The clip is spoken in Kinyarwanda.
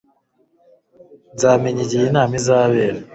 Nzamenya igihe inama izabera